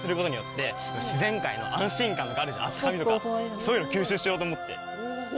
そういうのを吸収しようと思って。